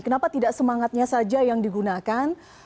kenapa tidak semangatnya saja yang digunakan